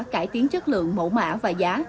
cải tiến chất lượng mẫu mạ và giá